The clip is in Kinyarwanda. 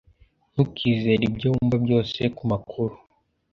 Ntukizere ibyo wumva byose kumakuru.